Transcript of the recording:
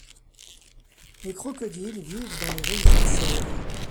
Les crocodiles vivent dans les régions chaudes.